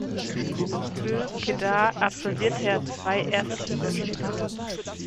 Für Kedah absolvierte er zwei Erstligaspiele.